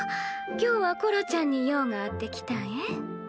今日はコロちゃんに用があって来たんえ。